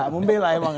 membelah emang ya